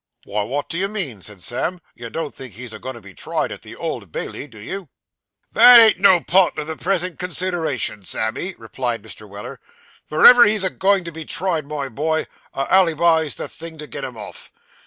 'Why, what do you mean?' said Sam; 'you don't think he's a goin' to be tried at the Old Bailey, do you?' 'That ain't no part of the present consideration, Sammy,' replied Mr. Weller. 'Verever he's a goin' to be tried, my boy, a alleybi's the thing to get him off.